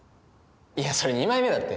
いやそれ２枚目だって！